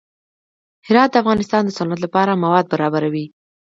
هرات د افغانستان د صنعت لپاره مواد برابروي.